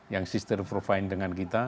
yang sister provide dengan kita